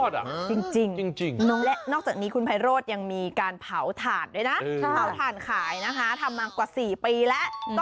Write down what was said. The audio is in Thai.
ลายได้ยังมีการเผาถ่านโดยเปลี่ยน